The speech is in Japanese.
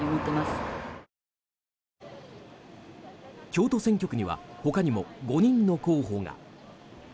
京都選挙区にはほかにも５人の候補が。